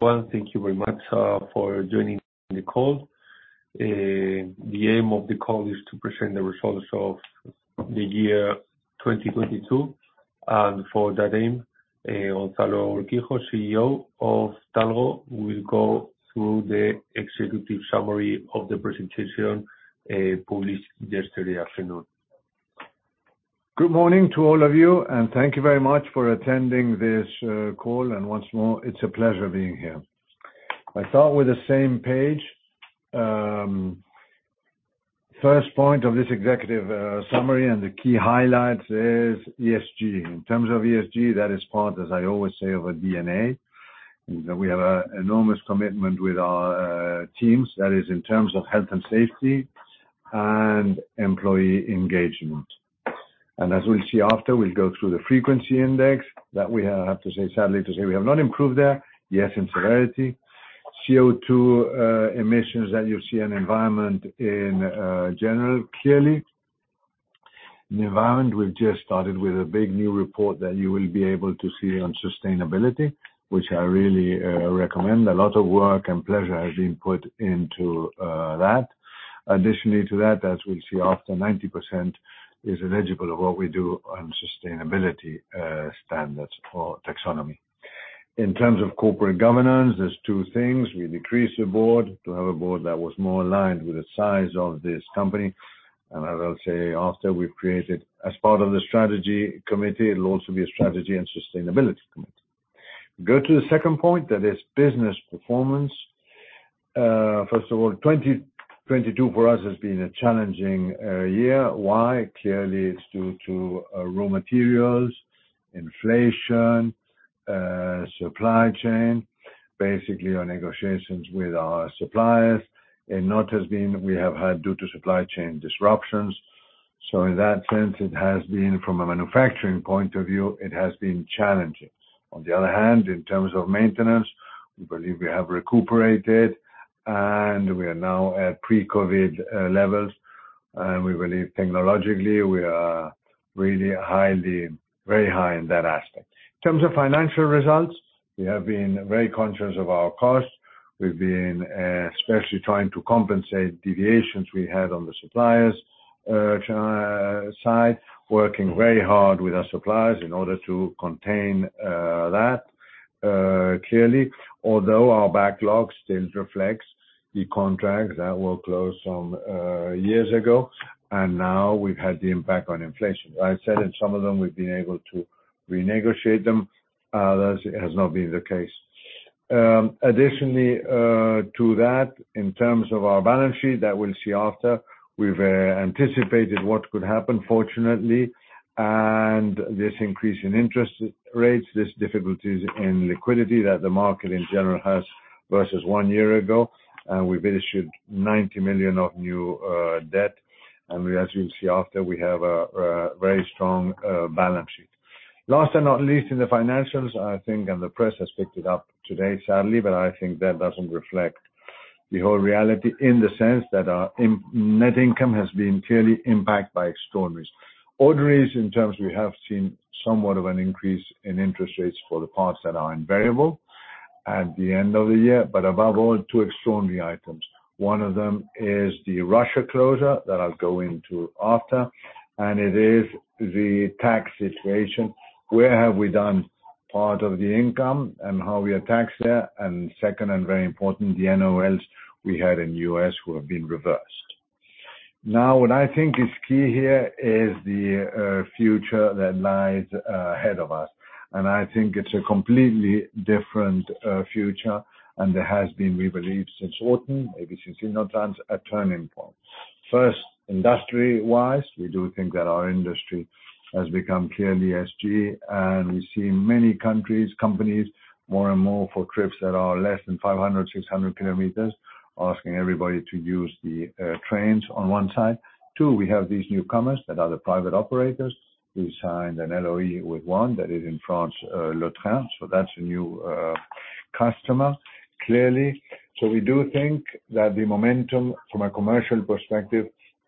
Well, thank you very much, for joining the call. The aim of the call is to present the results of the year 2022. For that aim, Gonzalo Urquijo, CEO of Talgo, will go through the executive summary of the presentation, published yesterday afternoon. Good morning to all of you, thank you very much for attending this call. Once more, it's a pleasure being here. I start with the same page. First point of this executive summary and the key highlights is ESG. In terms of ESG, that is part, as I always say, of our DNA, in that we have an enormous commitment with our teams. That is in terms of health and safety and employee engagement. As we'll see after, we'll go through the frequency index that sadly to say, we have not improved there. Yes, in severity. CO2 emissions that you see in environment in general, clearly. In environment, we've just started with a big new report that you will be able to see on sustainability, which I really recommend. A lot of work and pleasure has been put into that. Additionally to that, as we'll see after, 90% is eligible of what we do on sustainability standards for taxonomy. In terms of corporate governance, there's two things. We decreased the board to have a board that was more aligned with the size of this company. I will say after we've created, as part of the strategy committee, it'll also be a strategy and sustainability committee. Go to the second point, that is business performance. First of all, 2022 for us has been a challenging year. Why? Clearly, it's due to raw materials, inflation, supply chain, basically our negotiations with our suppliers, and not as been we have had due to supply chain disruptions. In that sense, it has been, from a manufacturing point of view, it has been challenging. On the other hand, in terms of maintenance, we believe we have recuperated, and we are now at pre-COVID levels. We believe technologically, we are really highly, very high in that aspect. In terms of financial results, we have been very conscious of our costs. We've been especially trying to compensate deviations we had on the suppliers' side, working very hard with our suppliers in order to contain that clearly. Although our backlog still reflects the contracts that were closed some years ago, and now we've had the impact on inflation. I said in some of them we've been able to renegotiate them, that has not been the case. Additionally, to that, in terms of our balance sheet that we'll see after, we've anticipated what could happen, fortunately. This increase in interest rates, this difficulties in liquidity that the market in general has versus one year ago, we've issued 90 million of new debt. As you'll see after, we have a very strong balance sheet. Last and not least, in the financials, I think, and the press has picked it up today, sadly, but I think that doesn't reflect the whole reality in the sense that our net income has been clearly impacted by extraordinaries. Ordinaries, in terms we have seen somewhat of an increase in interest rates for the parts that are invariable at the end of the year, but above all, two extraordinary items. One of them is the Russia closure that I'll go into after, and it is the tax situation, where have we done part of the income and how we are taxed there. Second, and very important, the NOLs we had in U.S. who have been reversed. What I think is key here is the future that lies ahead of us. I think it's a completely different future. There has been, we believe, since Orton, maybe since Sinotrans, a turning point. First, industry-wise, we do think that our industry has become clearly ESG, and we see many countries, companies, more and more for trips that are less than 500, 600 kilometers, asking everybody to use the trains on one side. Two, we have these newcomers that are the private operators. We signed an LoI with one that is in France, Le Train. That's a new customer, clearly. We do think that the momentum from a commercial perspective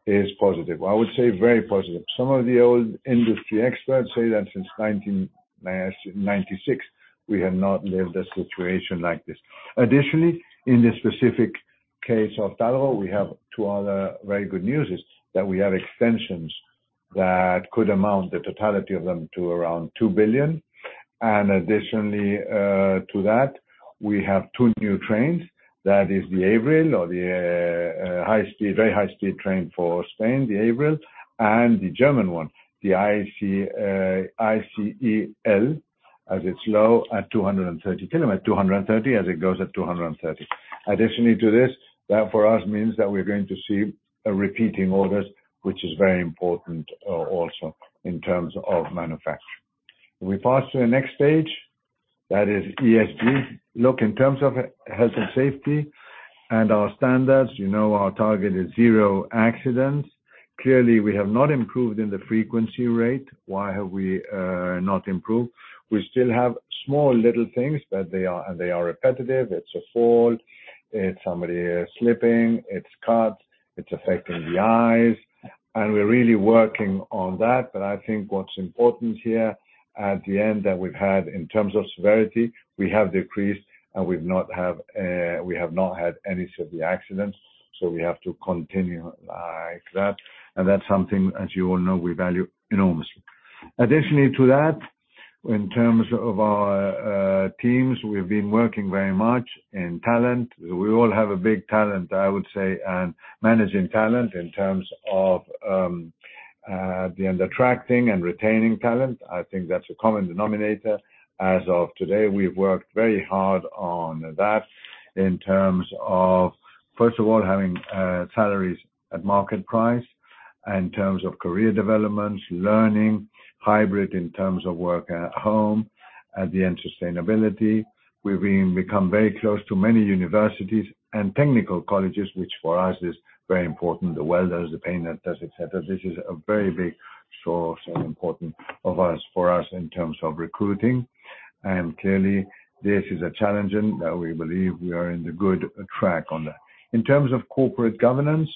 is positive. I would say very positive. Some of the old industry experts say that since 1996, we have not lived a situation like this. Additionally, in the specific case of Talgo, we have two other very good news is that we have extensions that could amount, the totality of them, to around 2 billion. Additionally, to that, we have two new trains. That is the Avril or the high speed, very high-speed train for Spain, the Avril, and the German one, the ICE L, as it's low, at 230 as it goes at 230. Additionally to this, that for us means that we're going to see a repeating orders, which is very important also in terms of manufacturing. We pass to the next stage. That is ESG. Look, in terms of health and safety and our standards, you know our target is zero accidents. Clearly, we have not improved in the frequency rate. Why have we not improved? We still have small little things, but they are repetitive. It's a fall. It's somebody slipping, it's cuts, it's affecting the eyes, and we're really working on that. I think what's important here at the end that we've had in terms of severity, we have decreased and we have not had any severe accidents, so we have to continue like that. That's something, as you all know, we value enormously. Additionally to that, in terms of our teams, we've been working very much in talent. We all have a big talent, I would say, and managing talent in terms of the attracting and retaining talent. I think that's a common denominator. As of today, we've worked very hard on that in terms of, first of all, having salaries at market price, in terms of career development, learning, hybrid in terms of work at home. At the end, sustainability. We've become very close to many universities and technical colleges, which for us is very important. The welders, the painters, et cetera. This is a very big source and important for us in terms of recruiting. Clearly this is a challenging that we believe we are in the good track on that. In terms of corporate governance,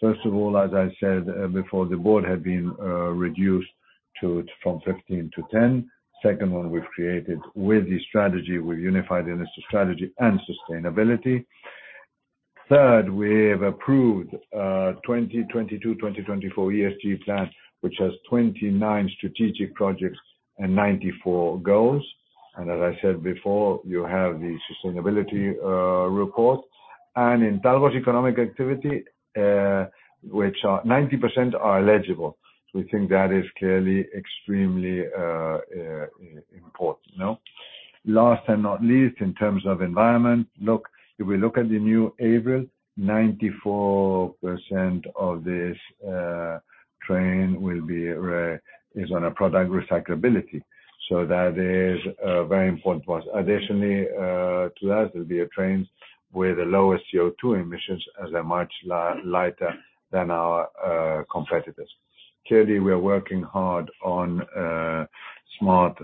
first of all, as I said before, the board had been reduced from 15 to 10. Second one we've created with the strategy. We've unified in a strategy and sustainability. Third, we have approved 2022, 2024 ESG plan, which has 29 strategic projects and 94 goals. As I said before, you have the sustainability report. In Talgo's economic activity, which 90% are eligible. We think that is clearly extremely important, no? Last and not least, in terms of environment, look, if we look at the new Avril, 94% of this train will be is on a product recyclability. That is very important for us. Additionally, to us, it'll be a train with a lower CO2 emissions as they're much lighter than our competitors. Clearly, we are working hard on smart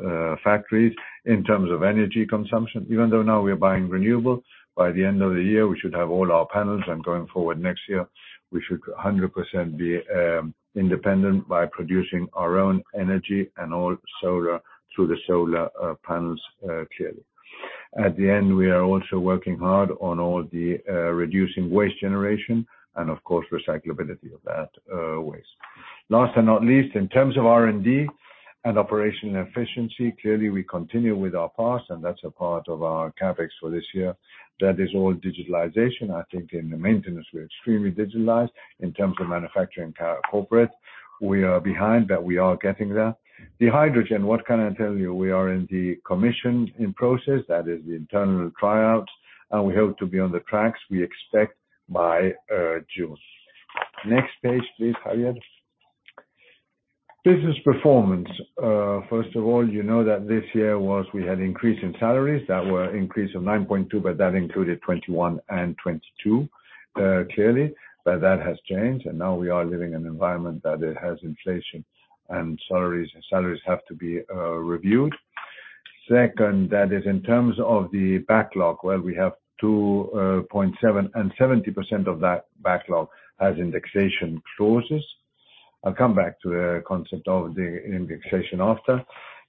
factories in terms of energy consumption. Even though now we are buying renewable, by the end of the year, we should have all our panels, and going forward next year we should 100% be independent by producing our own energy and all solar through the solar panels clearly. At the end, we are also working hard on all the reducing waste generation and of course, recyclability of that waste. Last and not least, in terms of R&D and operational efficiency, clearly we continue with our path, and that's a part of our CapEx for this year. That is all digitalization. I think in the maintenance, we're extremely digitalized. In terms of manufacturing co-corporate, we are behind, but we are getting there. The hydrogen, what can I tell you? We are in the commission in process. That is the internal tryouts. We hope to be on the tracks, we expect by June. Next page, please, Harriet. Business performance. First of all, you know that this year was we had increase in salaries that were increase of 9.2%. That included 2021 and 2022, clearly. That has changed. Now we are living in an environment that it has inflation and salaries have to be reviewed. Second, that is in terms of the backlog, well, we have 2.7 billion. 70% of that backlog has indexation clauses. I'll come back to the concept of the indexation after.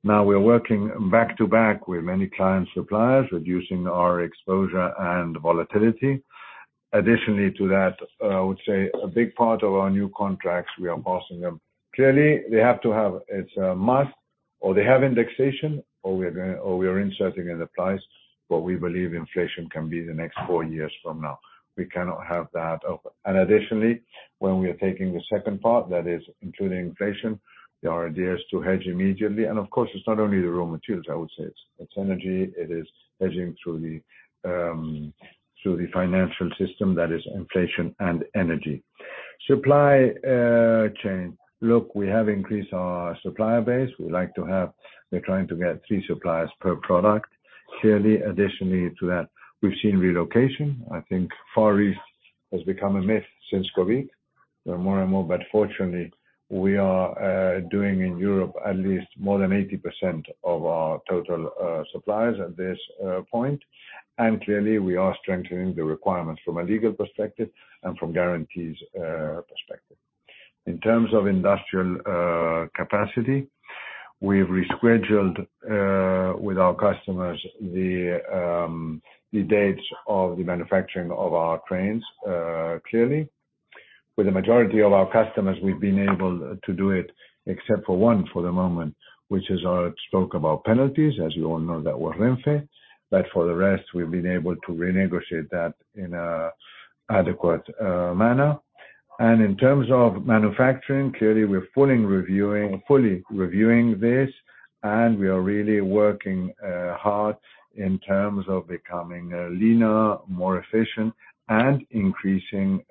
We are working back to back with many clients, suppliers, reducing our exposure and volatility. Additionally to that, I would say a big part of our new contracts, we are passing them. Clearly, they have to have. It's a must, or they have indexation, or we are inserting it applies. We believe inflation can be the next four years from now. We cannot have that open. Additionally, when we are taking the second part, that is including inflation, the idea is to hedge immediately. Of course, it's not only the raw materials, I would say. It's energy. It is hedging through the financial system, that is inflation and energy. Supply chain. Look, we have increased our supplier base. We like to have. We're trying to get three suppliers per product. Clearly, additionally to that, we've seen relocation. I think Far East has become a myth since COVID more and more. Fortunately, we are doing in Europe at least more than 80% of our total suppliers at this point. Clearly, we are strengthening the requirements from a legal perspective and from guarantees perspective. In terms of industrial capacity, we've rescheduled with our customers the dates of the manufacturing of our trains clearly. With the majority of our customers, we've been able to do it, except for one for the moment, which is our spoke about penalties, as you all know, that was Renfe. For the rest, we've been able to renegotiate that in a adequate manner. In terms of manufacturing, clearly we're fully reviewing this, and we are really working hard in terms of becoming leaner, more efficient and increasing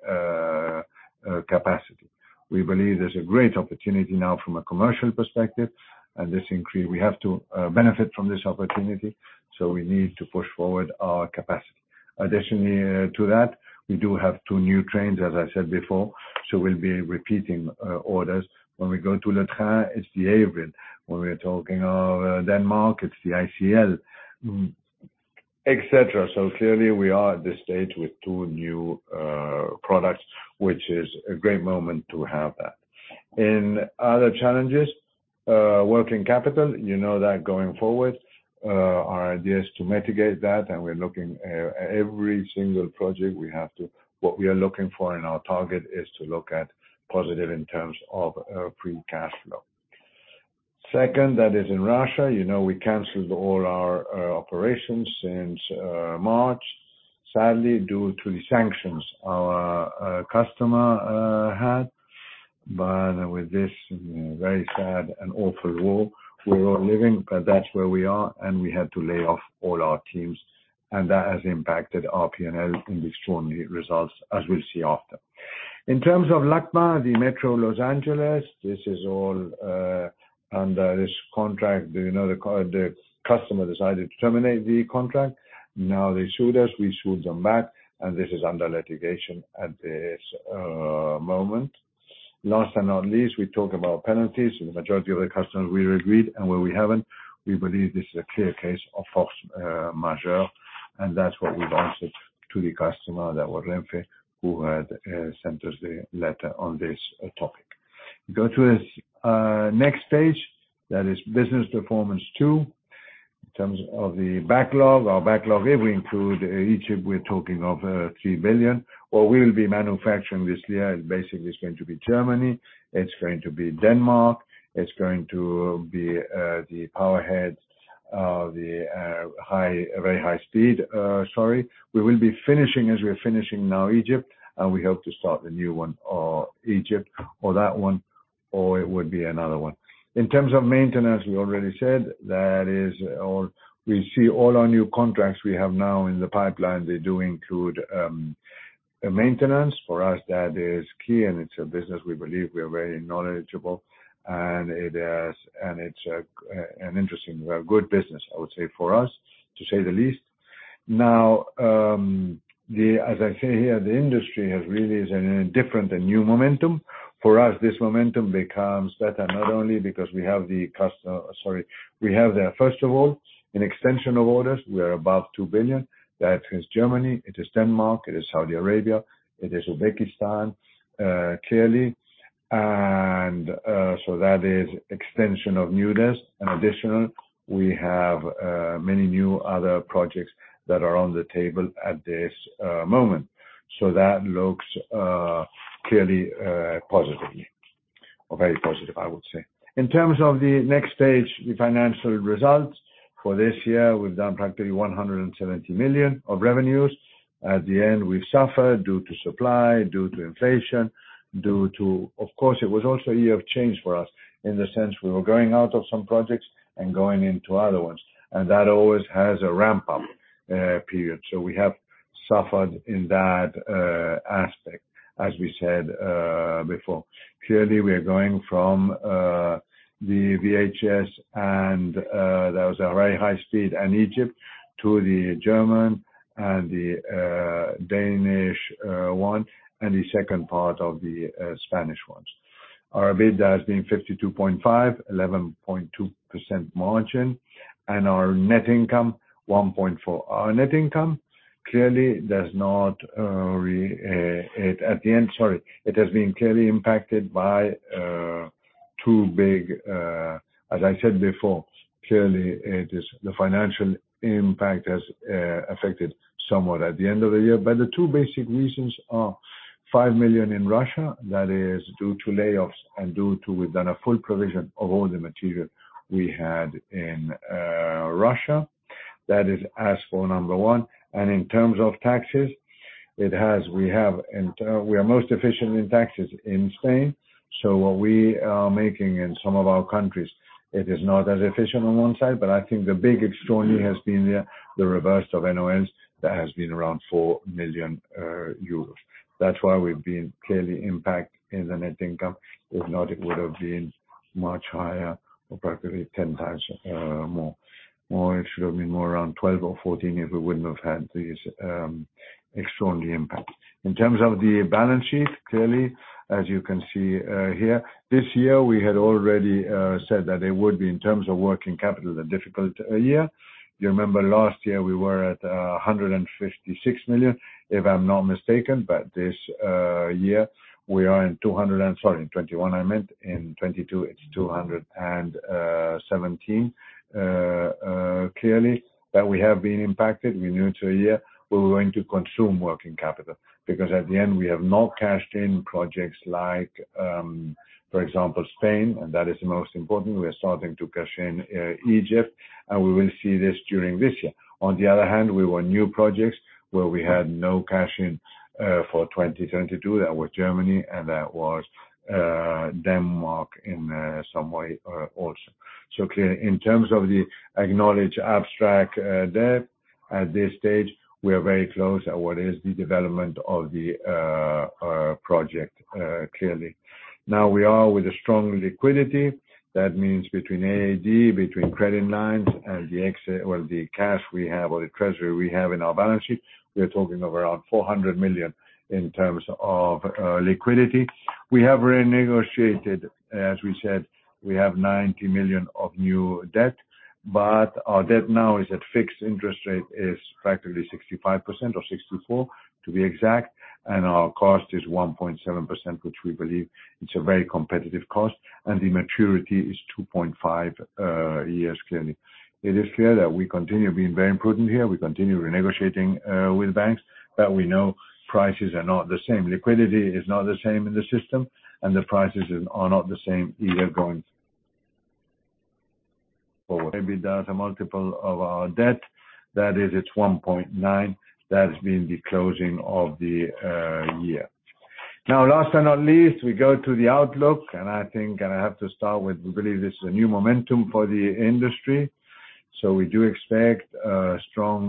capacity. We believe there's a great opportunity now from a commercial perspective and this increase, we have to benefit from this opportunity. We need to push forward our capacity. Additionally to that, we do have two new trains, as I said before, so we'll be repeating orders. When we go to Le Train, it's the Avril. When we are talking of Denmark, it's the ICE L. Et cetera. Clearly we are at this stage with two new products, which is a great moment to have that. In other challenges, working capital, you know that going forward, our idea is to mitigate that, and we're looking at every single project we have to. What we are looking for in our target is to look at positive in terms of pre-cash flow. Second, that is in Russia. You know, we canceled all our operations since March, sadly, due to the sanctions our customer had. With this, very sad and awful war we're all living, but that's where we are, and we had to lay off all our teams, and that has impacted our P&L in the strongly results as we'll see after. In terms of LACMA, the Los Angeles Metro, this is all under this contract. Do you know the customer decided to terminate the contract? They sued us, we sued them back, and this is under litigation at this moment. Last and not least, we talked about penalties. With the majority of the customers, we agreed, and where we haven't, we believe this is a clear case of force majeure. That's what we wanted to the customer that was Renfe who had sent us the letter on this topic. Go to this next page, that is business performance two. In terms of the backlog, our backlog, if we include Egypt, we're talking of 3 billion, or we will be manufacturing this year. Basically, it's going to be Germany, it's going to be Denmark, it's going to be the powerheads of the very high speed, sorry. We will be finishing as we're finishing now Egypt, we hope to start the new one, or Egypt or that one, or it would be another one. In terms of maintenance, we already said that is all. We see all our new contracts we have now in the pipeline, they do include a maintenance. For us, that is key and it's a business we believe we are very knowledgeable, and it's an interesting good business, I would say, for us, to say the least. As I say here, the industry has really is in a different and new momentum. For us, this momentum becomes better not only because we have sorry, we have the, first of all, an extension of orders. We are above 2 billion. That is Germany, it is Denmark, it is Saudi Arabia, it is Uzbekistan, clearly. So that is extension of new orders. In addition, we have many new other projects that are on the table at this moment. That looks clearly positively, or very positive, I would say. In terms of the next stage, the financial results. For this year, we've done practically 170 million of revenues. At the end, we've suffered due to supply, due to inflation, due to, of course, it was also a year of change for us in the sense we were going out of some projects and going into other ones, and that always has a ramp-up period. We have suffered in that aspect, as we said before. Clearly, we are going from the VHS and that was a very high speed in Egypt to the German and the Danish one and the second part of the Spanish ones. Our EBITDA has been 52.5, 11.2% margin, and our net income, 1.4. Our net income clearly does not at the end. Sorry. It has been clearly impacted by two big. As I said before, clearly it is the financial impact has affected somewhat at the end of the year. The two basic reasons are 5 million in Russia, that is due to layoffs and due to we've done a full provision of all the material we had in Russia. That is as for number one. In terms of taxes, we are most efficient in taxes in Spain. What we are making in some of our countries, it is not as efficient on one side, but I think the big extraordinary has been the reverse of NOLs that has been around 4 million euros. That's why we've been clearly impact in the net income. If not, it would have been much higher or practically 10 times more. It should have been more around 12 or 14 if we wouldn't have had these extraordinary impact. In terms of the balance sheet, clearly, as you can see here. This year we had already said that it would be in terms of working capital, the difficult year. You remember last year we were at 156 million, if I'm not mistaken. This year. Sorry, in 2021 I meant. In 2022, it's 217. Clearly that we have been impacted. We're new to a year where we're going to consume working capital. At the end, we have not cashed in projects like, for example, Spain, and that is the most important. We are starting to cash in Egypt, we will see this during this year. On the other hand, we were new projects where we had no cash in for 2022. That was Germany and that was Denmark in some way also. Clearly, in terms of the acknowledged abstract debt at this stage, we are very close at what is the development of the project clearly. Now we are with a strong liquidity. That means between AAD, between credit lines and the cash we have or the treasury we have in our balance sheet, we are talking of around 400 million in terms of liquidity. We have renegotiated. As we said, we have 90 million of new debt. But our debt now is at fixed interest rate, is practically 65% or 64%, to be exact. And our cost is 1.7%, which we believe it's a very competitive cost. And the maturity is 2.5 years clearly. It is clear that we continue being very prudent here. We continue renegotiating with banks, but we know prices are not the same. Liquidity is not the same in the system, and the prices are not the same either going forward. EBITDA as a multiple of our debt, that is, it's 1.9. That's been the closing of the year. Last but not least, we go to the outlook, and I think and I have to start with, we believe this is a new momentum for the industry. We do expect a strong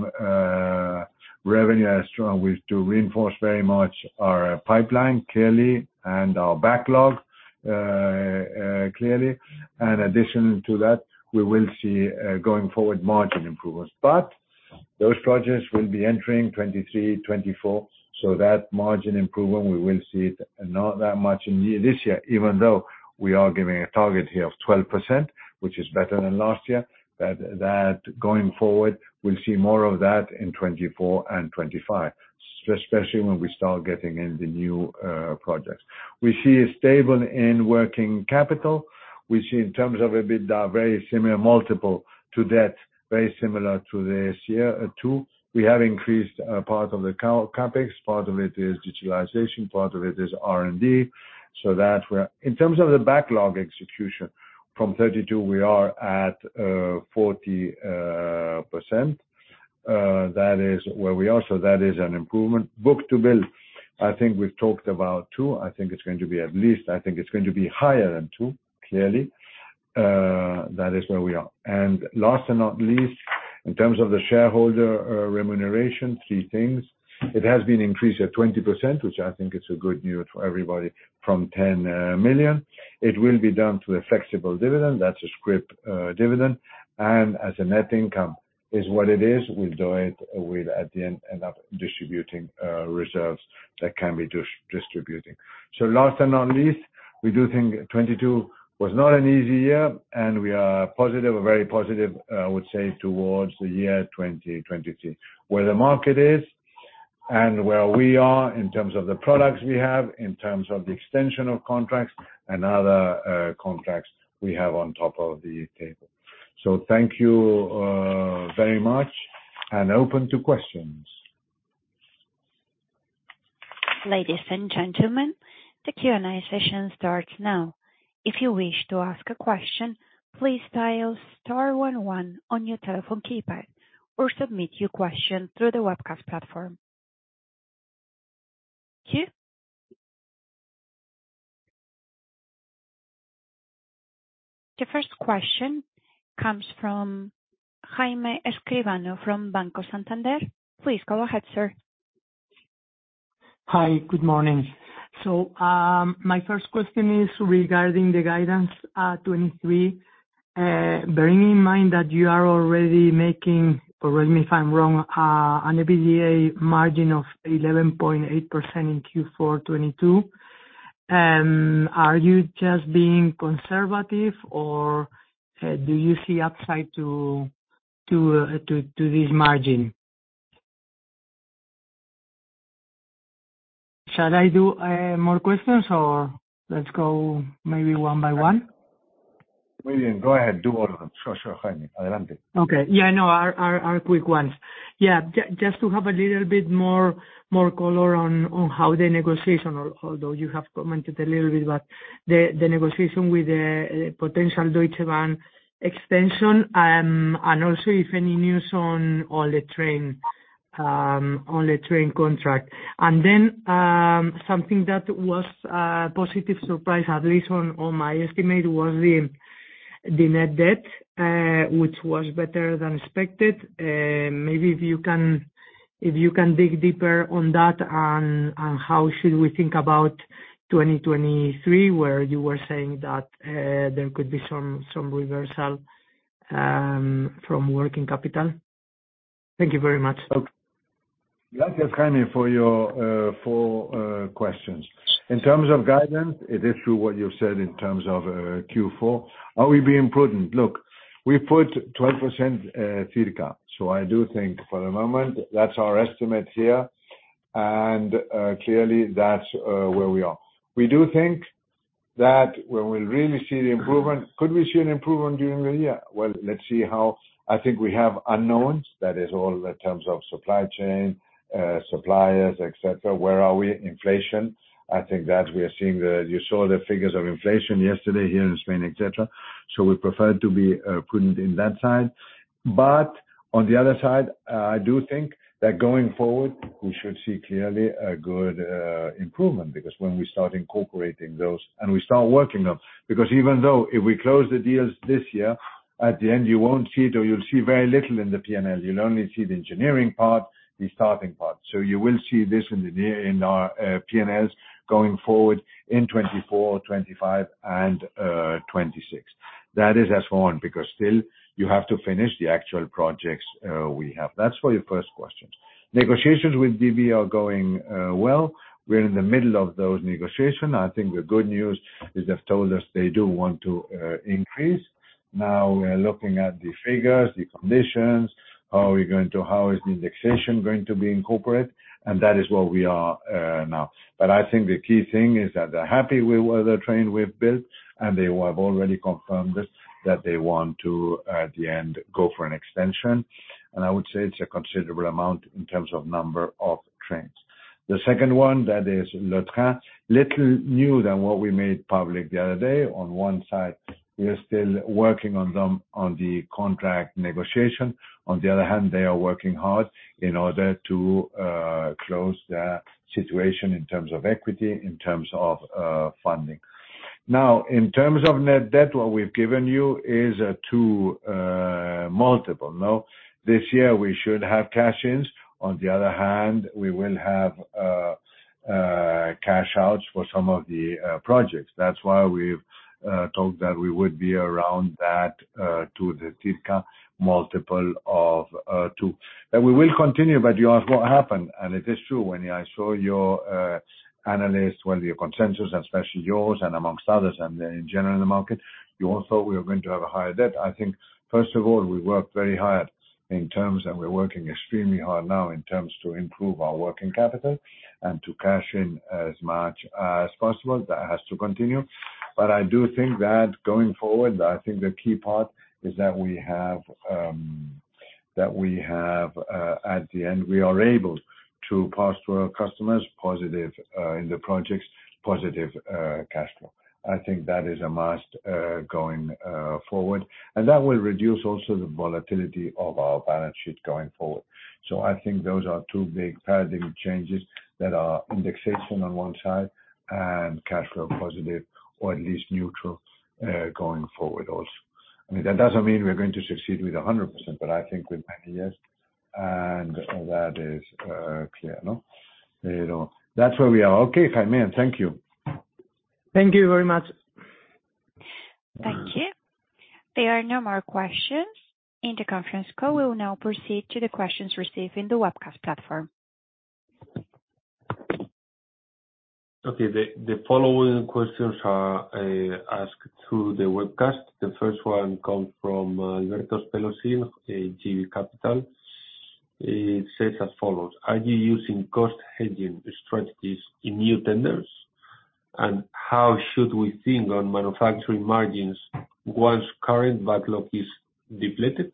revenue as strong. We do reinforce very much our pipeline, clearly, and our backlog, clearly. In addition to that, we will see going forward margin improvements. Those projects will be entering 2023, 2024. That margin improvement, we will see it not that much in this year, even though we are giving a target here of 12%, which is better than last year. That going forward, we'll see more of that in 2024 and 2025, especially when we start getting in the new projects. We see a stable in working capital. We see in terms of EBITDA, very similar multiple to debt, very similar to this year too. We have increased part of the CapEx. Part of it is digitalization. Part of it is R&D. That we're... In terms of the backlog execution, from 32% we are at 40%. That is where we are. That is an improvement. Book-to-bill, I think we've talked about two. I think it's going to be higher than two, clearly. That is where we are. Last but not least, in terms of the shareholder remuneration, three things. It has been increased at 20%, which I think is a good news for everybody from 10 million. It will be done through a flexible dividend, that's a scrip dividend. As a net income is what it is, we'll do it with, at the end up distributing reserves that can be distributing. Last but not least, we do think 2022 was not an easy year, and we are positive or very positive, I would say, towards the year 2023, where the market is and where we are in terms of the products we have, in terms of the extension of contracts and other, contracts we have on top of the table. Thank you, very much and open to questions. Ladies and gentlemen, the Q&A session starts now. If you wish to ask a question, please dial star one one on your telephone keypad or submit your question through the webcast platform. Here. The first question comes from Jaime Escribano from Banco Santander. Please go ahead, sir. Hi. Good morning. My first question is regarding the guidance, 2023. Bearing in mind that you are already making, or correct me if I'm wrong, an EBITDA margin of 11.8% in Q4 2022, are you just being conservative or do you see upside to this margin? Should I do more questions or let's go maybe one by one? William, go ahead. Do all of them. Sure, Jaime. Okay. Yeah, no. Are quick ones. Yeah. Just to have a little bit more color on how the negotiation or... although you have commented a little bit, but the negotiation with the potential Deutsche Bahn extension, and also if any news on all the train on the train contract? Something that was a positive surprise, at least on my estimate, was the net debt, which was better than expected. Maybe if you can dig deeper on that, on how should we think about 2023, where you were saying that there could be some reversal from working capital? Thank you very much. Thank you, Jaime, for your questions. In terms of guidance, it is true what you said in terms of Q4. Are we being prudent? Look, we put 12% circa. I do think for the moment that's our estimate here. Clearly that's where we are. We do think that when we really see the improvement. Could we see an improvement during the year? Well, let's see how. I think we have unknowns. That is all in terms of supply chain, suppliers, et cetera. Where are we? Inflation. I think that we are seeing the. You saw the figures of inflation yesterday here in Spain, et cetera. We prefer to be prudent in that side. On the other side, I do think that going forward, we should see clearly a good improvement, because when we start incorporating those and we start working them. Even though if we close the deals this year, at the end, you won't see it or you'll see very little in the P&L. You'll only see the engineering part, the starting part. You will see this in our P&Ls going forward in 2024, 2025 and 2026. That is as for one, because still you have to finish the actual projects we have. That's for your first questions. Negotiations with DB are going well. We're in the middle of those negotiation. I think the good news is they've told us they do want to increase. We're looking at the figures, the conditions, how is the indexation going to be incorporate, and that is where we are now. I think the key thing is that they're happy with the train we've built, and they have already confirmed this, that they want to, at the end, go for an extension. I would say it's a considerable amount in terms of number of trains. The second one, that is Le Train. Little new than what we made public the other day. On one side, we are still working on them on the contract negotiation. On the other hand, they are working hard in order to close their situation in terms of equity, in terms of funding. In terms of net debt, what we've given you is a 2 multiple, no? This year we should have cash-ins. On the other hand, we will have cash outs for some of the projects. That's why we've talked that we would be around that to the TIFCA multiple of 2. That we will continue, but you ask what happened. It is true, when I saw your analyst, well, your consensus, especially yours and amongst others, and in general in the market, you all thought we were going to have a higher debt. I think, first of all, we worked very hard in terms, and we're working extremely hard now in terms to improve our working capital and to cash in as much as possible. That has to continue. I do think that going forward, I think the key part is that we have that we have at the end, we are able to pass to our customers positive in the projects, positive cash flow. I think that is a must going forward. That will reduce also the volatility of our balance sheet going forward. I think those are two big paradigm changes that are indexation on one side and cash flow positive or at least neutral going forward also. I mean, that doesn't mean we're going to succeed with 100%, but I think with 90, yes, and that is clear, no? You know, that's where we are. Okay, Jaime. Thank you. Thank you very much. Thank you. There are no more questions in the conference call. We will now proceed to the questions received in the webcast platform. Okay. The following questions are asked through the webcast. The first one comes from Alberto Pelosini, JB Capital. It says as follows: Are you using cost hedging strategies in new tenders? How should we think on manufacturing margins once current backlog is depleted?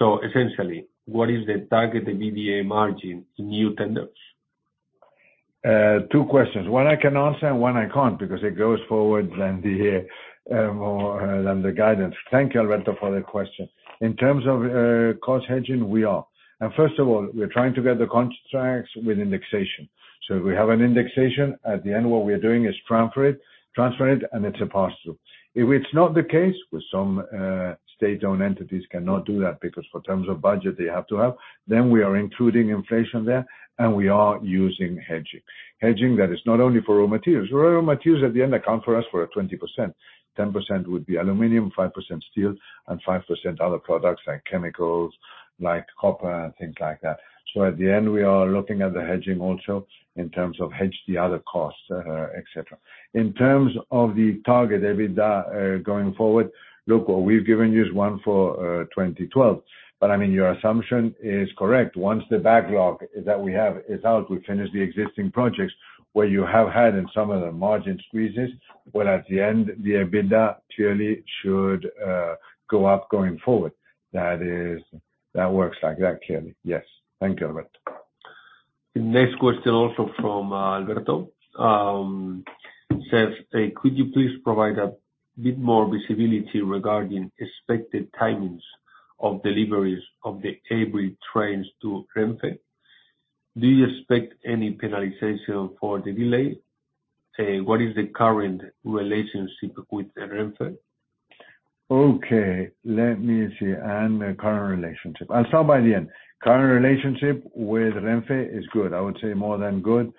Essentially, what is the targeted EBITDA margin in new tenders? Two questions, one I can answer and one I can't, because it goes forward than the more than the guidance. Thank you, Alberto, for the question. In terms of cost hedging, we are. First of all, we're trying to get the contracts with indexation. If we have an indexation, at the end, what we are doing is transfer it, and it's a pass-through. If it's not the case with some state-owned entities cannot do that because for terms of budget, they have to have, then we are including inflation there, and we are using hedging. Hedging, that is not only for raw materials. Raw materials at the end account for us for 20%. 10% would be aluminum, 5% steel, and 5% other products like chemicals, like copper and things like that. At the end, we are looking at the hedging also in terms of hedge the other costs, et cetera. In terms of the target EBITDA, going forward, look, what we've given you is one for 2012. I mean, your assumption is correct. Once the backlog that we have is out, we finish the existing projects where you have had in some of the margin squeezes, well, at the end, the EBITDA clearly should go up going forward. That is, that works like that, clearly. Yes. Thank you, Alberto. The next question also from Alberto. says, could you please provide a bit more visibility regarding expected timings of deliveries of the Avril trains to Renfe? Do you expect any penalization for the delay? What is the current relationship with Renfe? Okay, let me see. The current relationship. I'll start by the end. Current relationship with Renfe is good. I would say more than good.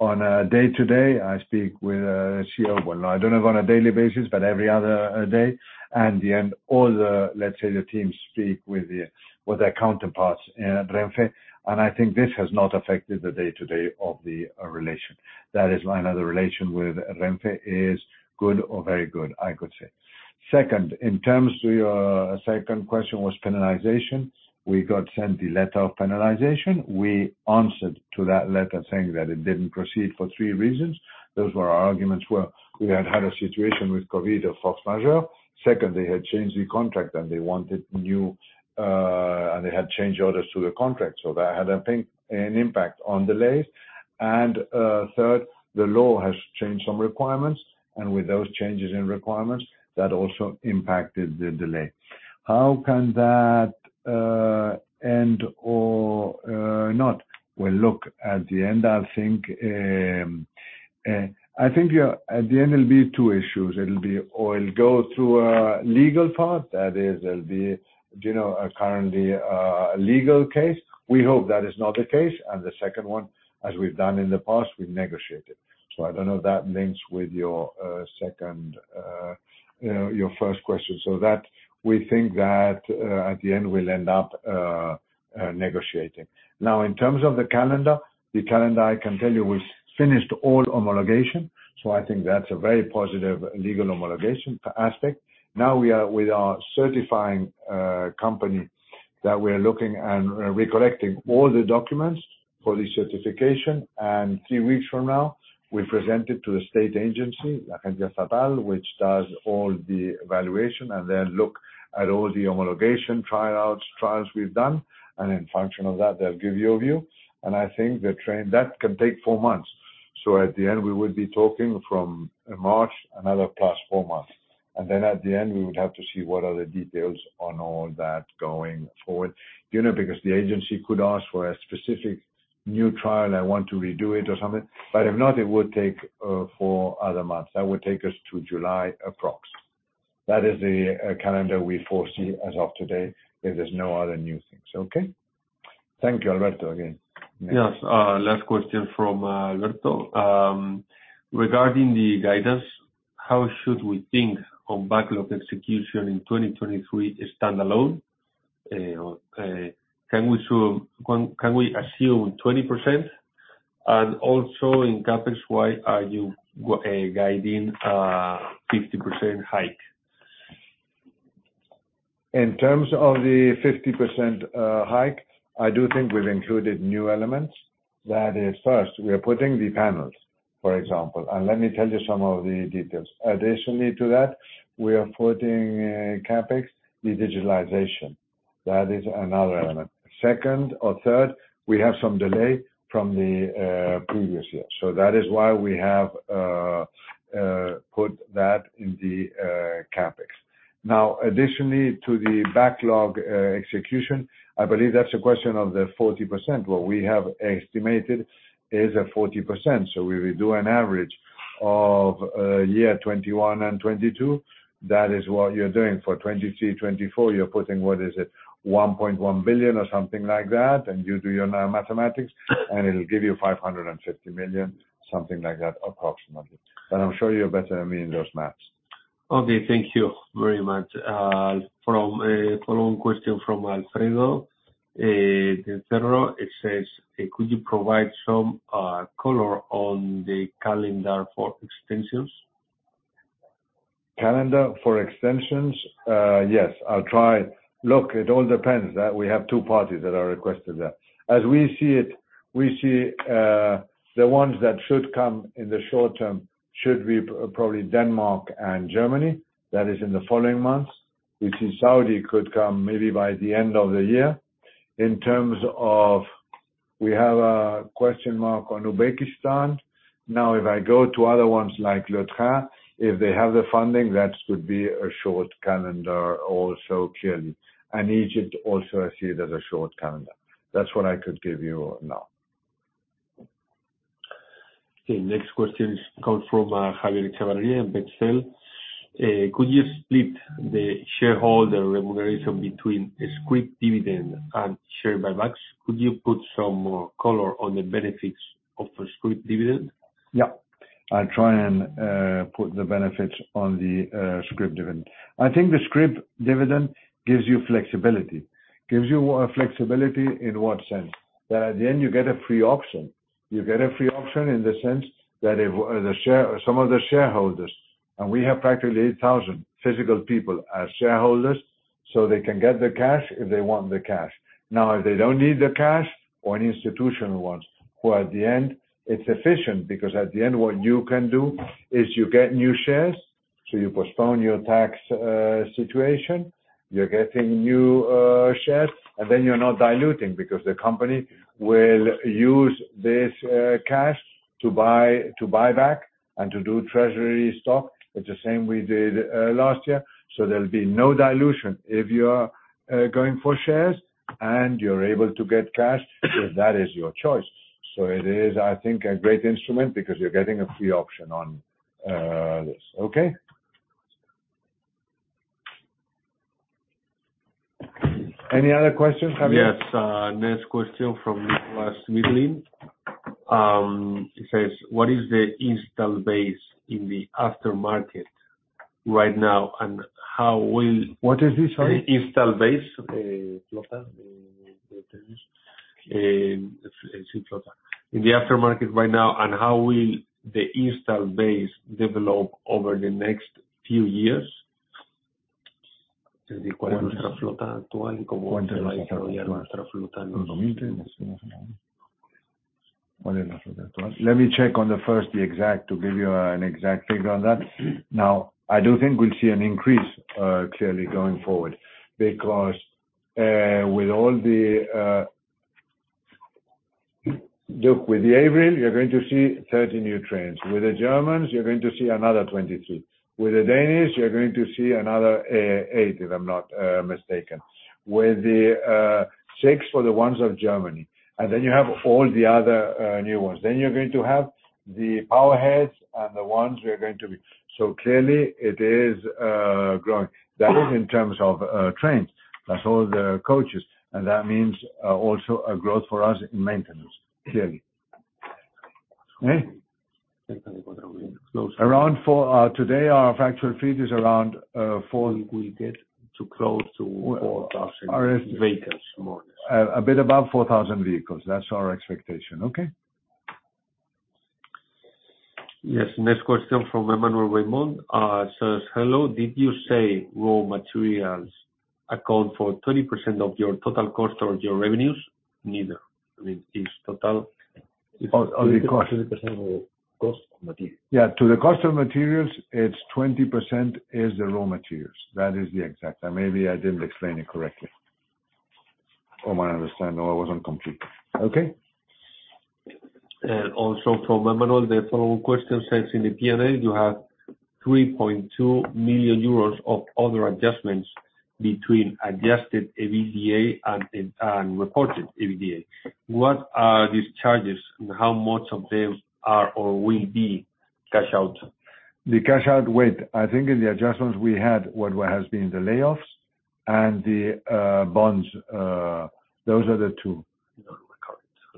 On a day-to-day, I speak with CEO Bueno. I don't know if on a daily basis, but every other day. The end, all the teams speak with their counterparts in Renfe. I think this has not affected the day-to-day of the relation. That is why now the relation with Renfe is good or very good, I could say. Second, in terms to your second question was penalization. We got sent the letter of penalization. We answered to that letter saying that it didn't proceed for three reasons. Those were our arguments were, we had a situation with COVID, a force majeure. Second, they had changed the contract and they wanted new, and they had change orders to the contract. That had an impact on delays. Third, the law has changed some requirements, and with those changes in requirements, that also impacted the delay. How can that end or not? Well, look, at the end, I think, at the end it'll be two issues. It'll be, or it'll go through legal part, that is, there'll be, you know, currently, a legal case. We hope that is not the case. The second one, as we've done in the past, we negotiate it. I don't know if that links with your second, you know, your first question. That, we think that, at the end, we'll end up negotiating. In terms of the calendar, I can tell you we've finished all homologation, so I think that's a very positive legal homologation aspect. We are with our certifying company that we are looking and we're collecting all the documents for the certification, and three weeks from now, we present it to the state agency, Agencia Estatal, which does all the evaluation and then look at all the homologation trials we've done, and in function of that, they'll give you a view. I think the train. That can take four months. At the end, we will be talking from, in March, another plus four months. At the end, we would have to see what are the details on all that going forward. You know, because the agency could ask for a specific new trial, they want to redo it or something. If not, it would take 4 other months. That would take us to July approx. That is the calendar we foresee as of today, if there's no other new things. Okay? Thank you. Alberto again. Yes. last question from Alberto. regarding the guidance, how should we think on backlog execution in 2023 standalone? can we assume 20%? Also, in CapEx, why are you guiding a 50% hike? In terms of the 50% hike, I do think we've included new elements. That is. First, we are putting the panels, for example, and let me tell you some of the details. Additionally to that, we are putting CapEx, the digitalization. That is another element. Second or third, we have some delay from the previous year. That is why we have put that in the CapEx. Now, additionally to the backlog execution, I believe that's a question of the 40%. What we have estimated is a 40%, we will do an average of year 2021 and 2022. That is what you're doing. For 2023, 2024, you're putting, what is it? 1.1 billion or something like that, you do your mathematics, and it'll give you 550 million, something like that, approximately. I'm sure you're better than me in those math. Okay, thank you very much. From following question from Alfredo de Ferrero. It says, could you provide some color on the calendar for extensions? Calendar for extensions? Yes, I'll try. Look, it all depends. We have two parties that are requested that. As we see it, we see, the ones that should come in the short term should be probably Denmark and Germany. That is in the following months. We see Saudi could come maybe by the end of the year. We have a question mark on Uzbekistan. Now, if I go to other ones like Le Train, if they have the funding, that would be a short calendar also. Egypt also I see it as a short calendar. That's what I could give you now. Okay. Next question comes from Javier Echevarría at Banco Sabadell. Could you split the shareholder remuneration between a scrip dividend and share buybacks? Could you put some more color on the benefits of a scrip dividend? Yeah. I'll try and put the benefits on the scrip dividend. I think the scrip dividend gives you flexibility. Gives you what flexibility in what sense? At the end you get a free option. You get a free option in the sense that if some of the shareholders, and we have practically 8,000 physical people as shareholders, so they can get the cash if they want the cash. If they don't need the cash or any institutional ones, who at the end it's efficient, because at the end what you can do is you get new shares, so you postpone your tax situation. You're getting new shares, and then you're not diluting because the company will use this cash to buy back and to do treasury stock. It's the same we did last year. There'll be no dilution if you are going for shares and you're able to get cash, so that is your choice. It is, I think, a great instrument because you're getting a free option on this. Okay? Any other questions, Javier? Yes. Next question from Nicholas Midline. It says, "What is the install base in the aftermarket right now, and What is the, sorry? The install base, flota, what's the English? It's in flota. In the aftermarket right now. How will the install base develop over the next few years? Let me check on the first, the exact, to give you an exact figure on that. I do think we'll see an increase clearly going forward because with all the Look, with the Avril, you're going to see 30 new trains. With the Germans, you're going to see another 22. With the Danish, you're going to see another eight, if I'm not mistaken. With the six for the ones of Germany. You have all the other new ones. You're going to have the powerheads and the ones we are going to be... Clearly it is growing. That is in terms of trains. That's all the coaches, and that means also a growth for us in maintenance, clearly. Eh? Around four. Today our factual fleet is around 4- We get to close to 4,000 vehicles more or less. A bit above 4,000 vehicles. That's our expectation. Okay? Yes. Next question from Emmanuel Raimond, says, "Hello. Did you say raw materials account for 30% of your total cost or your revenues?" Neither. I mean, it's total- Of the cost. 30% of the cost material. Yeah, to the cost of materials, it's 20% is the raw materials. That is the exact. Maybe I didn't explain it correctly. From what I understand, no, I wasn't complete. Okay. Also from Emmanuel, the follow-up question says, "In the P&L you have 3.2 million euros of other adjustments between adjusted EBITDA and reported EBITDA. What are these charges? And how much of them are or will be cash out? The cash out with I think in the adjustments we had what has been the layoffs and the bonds. Those are the two.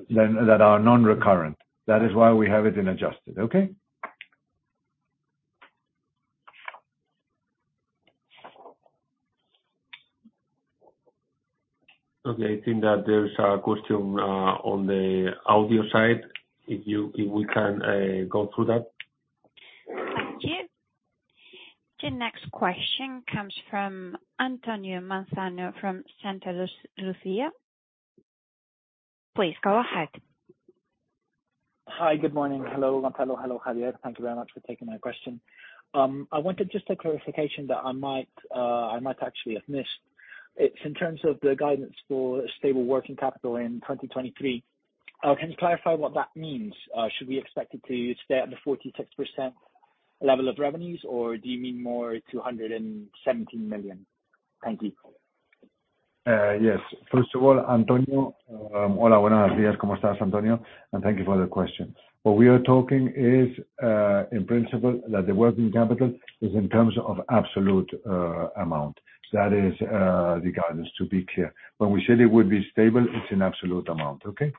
Non-recurrent. That are non-recurrent. That is why we have it in adjusted. Okay? Okay. I think that there's a question on the audio side, if we can go through that. Thank you. The next question comes from Antonio Manzano, from Santalucía. Please go ahead. Hi. Good morning. Hello, Gonzalo. Hello, Javier. Thank you very much for taking my question. I wanted just a clarification that I might actually have missed. It's in terms of the guidance for stable working capital in 2023. Can you clarify what that means? Should we expect it to stay at the 46% level of revenues, or do you mean more to 117 million? Thank you. Yes. First of all, Antonio. Thank you for the question. What we are talking is, in principle that the working capital is in terms of absolute amount. That is, the guidance, to be clear. When we say it would be stable, it's an absolute amount. Okay?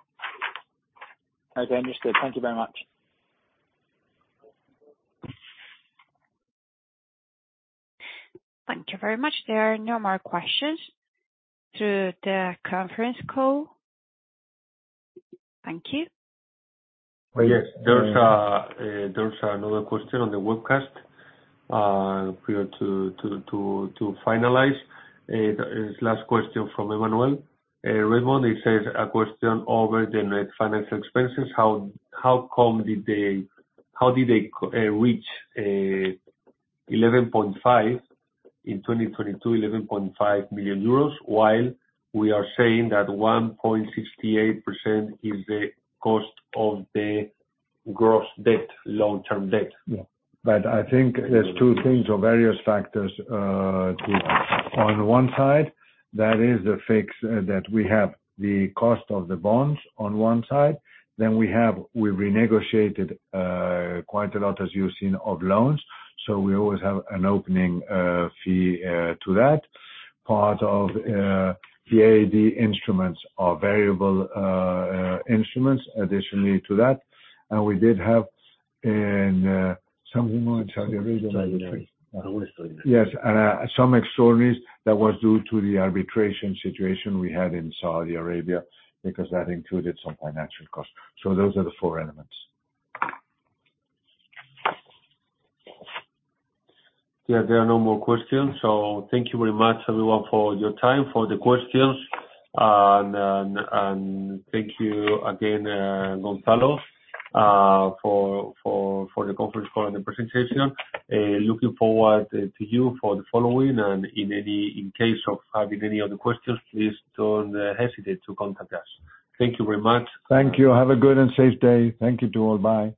Okay, understood. Thank you very much. Thank you very much. There are no more questions through the conference call. Thank you. Yes. There's another question on the webcast, prior to finalize. The last question from Emmanuel Raymond. It says, a question over the net finance expenses. How, how come did they reach 11.5 in 2022, 11.5 million euros, while we are saying that 1.68% is the cost of the gross debt, long-term debt? Yeah. I think there's two things or various factors, on one side, that is the fix, that we have the cost of the bonds on one side. We renegotiated quite a lot, as you've seen, of loans, so we always have an opening fee to that. Part of the AD instruments are variable instruments additionally to that. We did have in, yes, some extraordinary that was due to the arbitration situation we had in Saudi Arabia, because that included some financial costs. Those are the four elements. Yeah. There are no more questions. Thank you very much everyone for your time, for the questions. Thank you again, Gonzalo, for the conference call and the presentation. Looking forward to you for the following. In case of having any other questions, please don't hesitate to contact us. Thank you very much. Thank you. Have a good and safe day. Thank you to all. Bye.